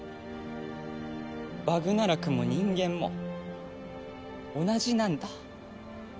バグナラクも人間も同じなんだ。